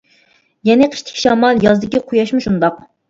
يەنە قىشتىكى شامال، يازدىكى قۇياشمۇ شۇنداق.